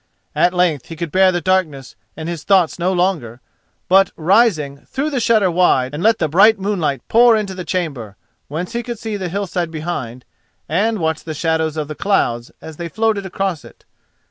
At length he could bear the darkness and his thoughts no longer, but, rising, threw the shutter wide and let the bright moonlight pour into the chamber, whence he could see the hillside behind, and watch the shadows of the clouds as they floated across it.